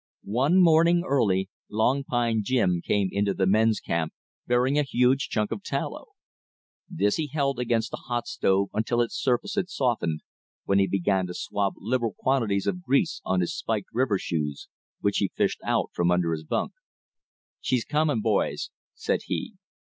One morning early, Long Pine Jim came into the men's camp bearing a huge chunk of tallow. This he held against the hot stove until its surface had softened, when he began to swab liberal quantities of grease on his spiked river shoes, which he fished out from under his bunk. "She's comin', boys," said he.